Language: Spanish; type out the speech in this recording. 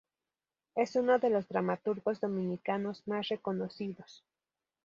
Es uno de los dramaturgos dominicanos más reconocidos.